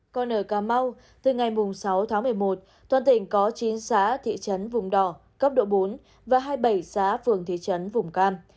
còn ở cà mau từ ngày sáu tháng một mươi một toàn tỉnh có chín xã thị trấn vùng đỏ cấp độ bốn và hai mươi bảy xã phường thị trấn vùng cam